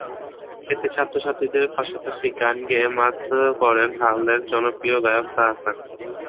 এতে ছাত্রছাত্রীদের পাশাপাশি গান গেয়ে মাত করেন হালের জনপ্রিয় গায়ক তাহসান।